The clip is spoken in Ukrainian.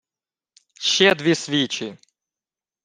— Ще дві свічі!